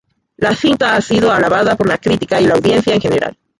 La cinta ha sido alabada por la crítica y la audiencia en general.